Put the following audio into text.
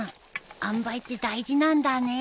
あんばいって大事なんだね。